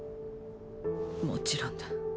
もちろんだ。